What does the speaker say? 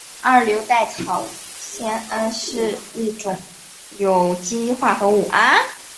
二硫代草酰胺是一种有机化合物。